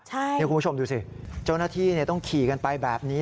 นี่คุณผู้ชมดูสิเจ้าหน้าที่ต้องขี่กันไปแบบนี้